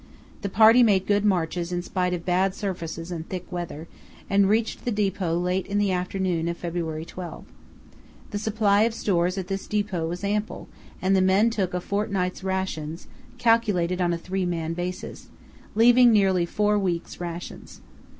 The party made good marches in spite of bad surfaces and thick weather, and reached the depot late in the afternoon of February 12. The supply of stores at this depot was ample, and the men took a fortnight's rations (calculated on a three man basis), leaving nearly four weeks' rations.